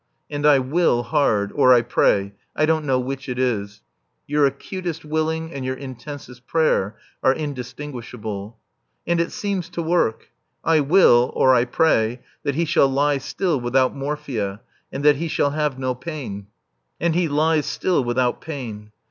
And I will hard, or I pray I don't know which it is; your acutest willing and your intensest prayer are indistinguishable. And it seems to work. I will or I pray that he shall lie still without morphia, and that he shall have no pain. And he lies still, without pain.